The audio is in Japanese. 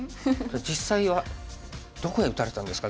実際はどこへ打たれたんですか？